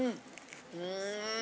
うん！